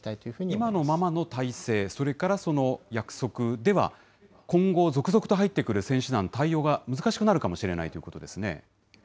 今のままの態勢、それからその約束では、今後、続々と入ってくる選手団、対応が難しくなるかもしれないということですね。